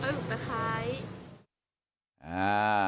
อีอุ๊ปครับ